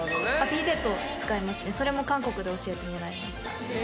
ピンセット使いますねそれも韓国で教えてもらいました